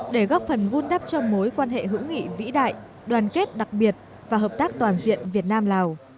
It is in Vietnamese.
để góp phần vun đắp cho mối quan hệ hữu nghị vĩ đại đoàn kết đặc biệt và hợp tác toàn diện việt nam lào